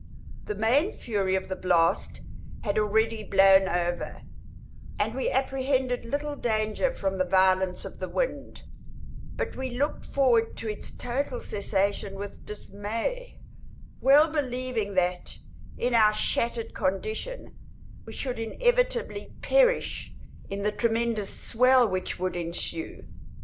The main fury of the blast had already blown over, and we apprehended little danger from the violence of the wind; but we looked forward to its total cessation with dismay; well believing, that, in our shattered condition, we should inevitably perish in the tremendous swell which would ensue.